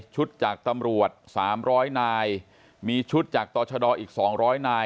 ชุดจากตำรวจ๓๐๐นายมีชุดจากต่อชะดออีก๒๐๐นาย